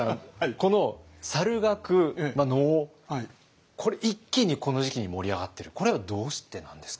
この猿楽能これ一気にこの時期に盛り上がってるこれはどうしてなんですか？